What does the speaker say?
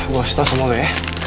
gue harus tau sama lo ya